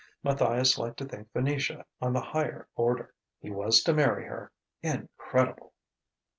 Matthias liked to think Venetia of the higher order. He was to marry her. Incredible!